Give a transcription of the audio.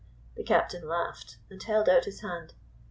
The captain laughed, and held out his hand.